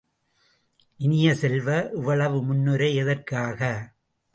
இனிய செல்வ, இவ்வளவு முன்னுரை எதற்காக?